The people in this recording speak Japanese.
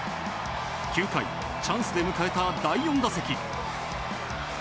９回、チャンスで迎えた第４打席。